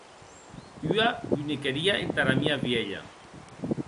Ua boniqueria entara mia vielha.